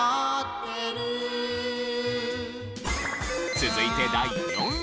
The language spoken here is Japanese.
続いて第４位。